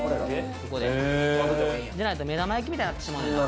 ここででないと目玉焼きみたいになってしまうねん中で